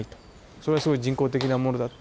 それはすごい人工的なものだって。